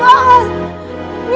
bila ikut pak pak bos